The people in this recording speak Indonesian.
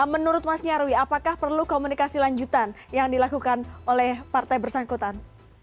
menurut mas nyarwi apakah perlu komunikasi lanjutan yang dilakukan oleh partai bersangkutan